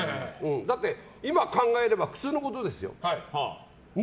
だって、今考えれば普通のことですよ。